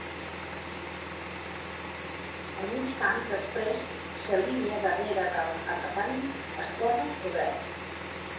El migcamp després s"alinea darrera de l"atacant esquerre o dret.